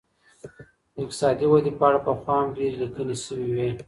د اقتصادي ودي په اړه پخوا هم ډیري لیکنې سوې وې.